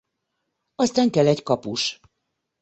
Aztán kell egy kapus.